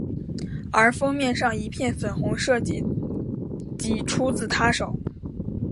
而封面上一片粉红设计即出自她手。